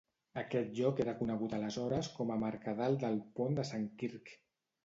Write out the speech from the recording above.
Aquest lloc era conegut aleshores com a Mercadal del Pont de Sant Quirc.